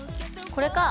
これか。